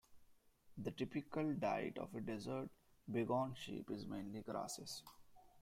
The typical diet of a desert bighorn sheep is mainly grasses.